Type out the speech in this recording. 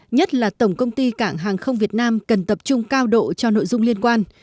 nhất là tổng công ty cảng hàng không việt nam cần tập trung cao độ cho nội dung liên quan